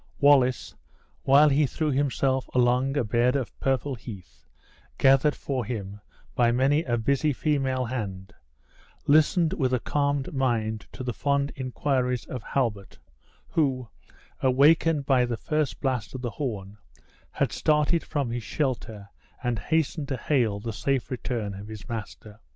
Wallace, while he threw himself along a bed of purple heath, gathered for him by many a busy female hand, listened with a calmed mind to the fond inquiries of Halbert, who, awakened by the first blast of the horn, had started from his shelter and hastened to hail the safe return of his master.